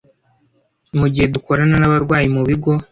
Mu gihe dukorana nabarwayi mu bigo